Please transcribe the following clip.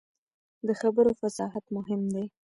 د خبرو فصاحت مهم دی